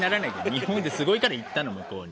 日本ですごいから行ったの向こうに。